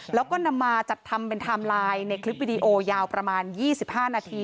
แล้วก็นำมาจัดทำเป็นไทม์ไลน์ในคลิปวิดีโอยาวประมาณ๒๕นาที